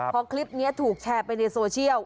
พอคลิปนี้ถูกแชร์ไปในโซเชียล